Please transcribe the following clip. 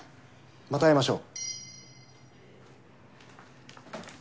また会いましょう！